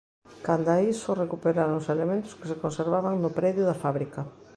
Canda a isto, recuperáronse elementos que se conservaban no predio da fábrica.